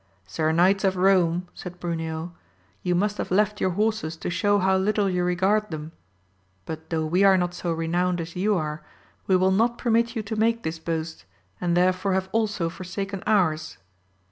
Sir knights of Rome, said Bruneo, you must have left your horses to show how little you regard them ; but though we are not so renowned as ye are, we will not permit you to make this boast, and therefore have also forsaken ours.